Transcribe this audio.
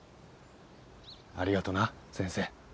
ありがとな先生。